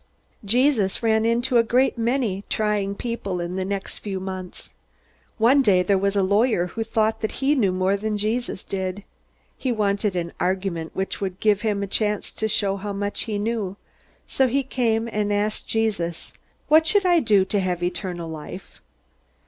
Jesus ran into a great many trying people in the next few months. One day there was a lawyer who thought that he knew more than Jesus did. He wanted an argument which would give him a chance to show how much he knew, so he came and asked Jesus, "What should I do to have eternal life?"